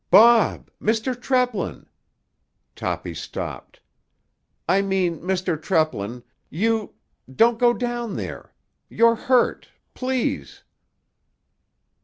"Bob! Mr. Treplin!" Toppy stopped. "I mean—Mr. Treplin—you—don't go down there—you're hurt—please!"